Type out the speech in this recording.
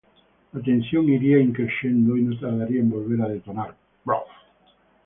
La tensión iría "in crescendo" y no tardaría en volver a detonar.